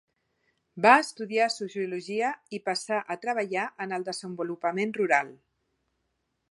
Va estudiar sociologia i passà a treballar en el desenvolupament rural.